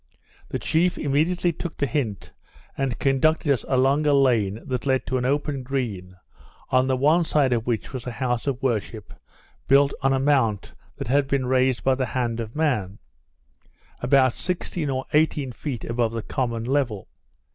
The chief immediately took the hint, and conducted us along a lane that led to an open green, on the one side of which was a house of worship built on a mount that had been raised by the hand of man, about sixteen or eighteen feet above the common level.